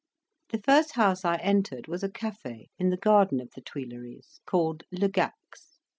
The first house I entered was a cafe in the garden of the Tuilleries, called Legac's.